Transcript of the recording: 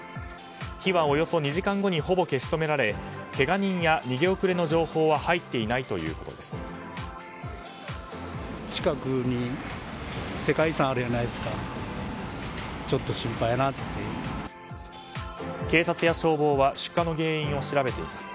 火はおよそ２時間後にほぼ消し止められけが人や逃げ遅れの情報は入っていないということです。